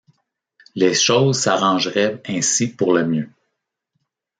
Les choses s’arrangeraient ainsi pour le mieux.